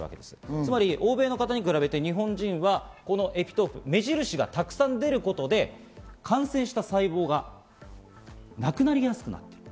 つまり欧米の方に比べて日本人は目印がたくさん出ることで感染した細胞がなくなりやすくなる。